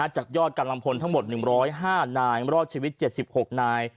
จากยอดกำลังพลทั้งหมด๑๐๕นายรอดชีวิต๗๖นาย